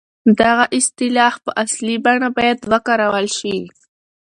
دغه اصطلاح په اصلي بڼه بايد وکارول شي.